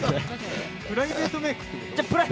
プライベートメイクってこと？